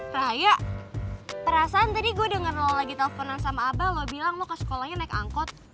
rahaya perasaan tadi gue denger lo lagi teleponan sama abah lo bilang lo ke sekolahnya naik angkot